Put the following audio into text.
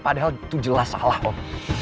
padahal itu jelas salah om